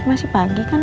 masih pagi kan